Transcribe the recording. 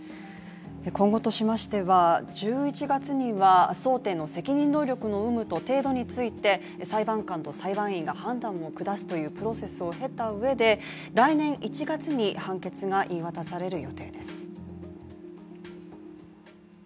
今後としましては１１月には争点の責任能力の有無と程度について、裁判官と裁判員が判断を下すというプロセスを経たうえで来年１月に判決が言い渡される予定です。